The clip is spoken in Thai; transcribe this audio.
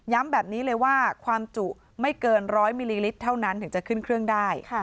แบบนี้เลยว่าความจุไม่เกิน๑๐๐มิลลิลิตรเท่านั้นถึงจะขึ้นเครื่องได้